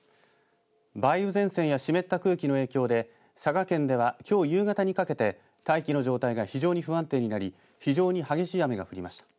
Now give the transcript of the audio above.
梅雨前線や湿った空気の影響で佐賀県ではきょう夕方にかけて大気の状態が非常に不安定になり非常に激しい雨が降りました。